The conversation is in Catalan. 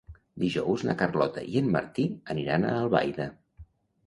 Dijous na Carlota i en Martí aniran a Albaida.